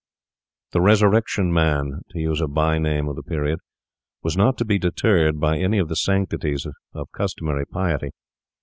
The Resurrection Man—to use a byname of the period—was not to be deterred by any of the sanctities of customary piety.